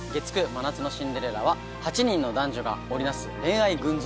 『真夏のシンデレラ』は８人の男女が織りなす恋愛群像劇。